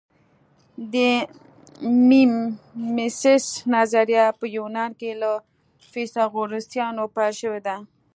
د میمیسیس نظریه په یونان کې له فیثاغورثیانو پیل شوې ده